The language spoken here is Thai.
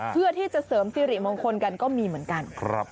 เพื่อที่จะเสริมสิริมงคลกันก็มีเหมือนกัน